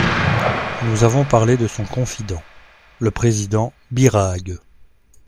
Nous avons parlé de son confident, le président Birague.